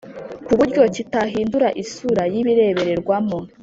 kuburyo kitahindura isura y’ibireberwamo